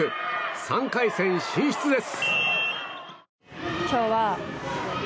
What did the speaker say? ３回戦進出です！